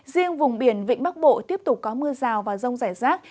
riêng vùng biển vịnh bắc bộ tiếp tục có mưa rào và rông rải rác